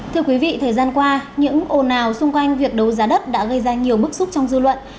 thưa quý vị thời gian qua những ồn ào xung quanh việc đấu giá đất đã gây ra nhiều bức xúc trong dư luận